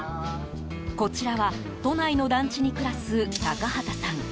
こちらは都内の団地に暮らす高畑さん。